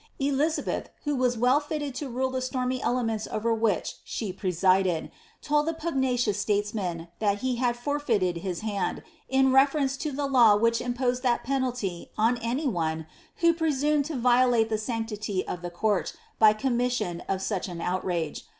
Elizabeth, who was well fitted to rule the stormy elements over which she presided, told the pugnacious statesman that he had for feited his hand, in reference to the law which imposed that penalty on any one who presunied to violate the sanctity of the court by the com misaion of such an outrage.